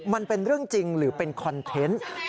มันเป็นเรื่องจริงหรือเป็นคอนเทนต์